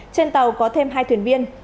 trên tàu có thêm hai thuyền viên